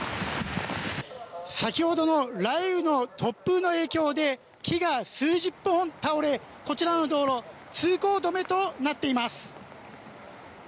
先ほどの雷雨の突風の影響で木が数十本倒れこちらの道路通行止めとなっています。